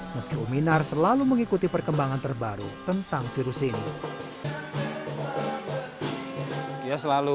meski uminar selalu mengikuti perkembangan terbaru tentang virus ini